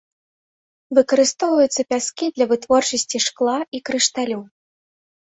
Выкарыстоўваюцца пяскі для вытворчасці шкла і крышталю.